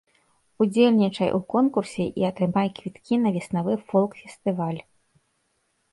Удзельнічай у конкурсе і атрымай квіткі на веснавы фолк-фестываль.